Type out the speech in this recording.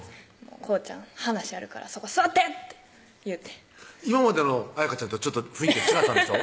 「こうちゃん話あるからそこ座って！」って言うて今までの彩圭ちゃんとはちょっと雰囲気違ったんでしょ？